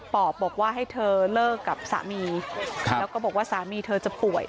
ปอบบอกว่าให้เธอเลิกกับสามีแล้วก็บอกว่าสามีเธอจะป่วย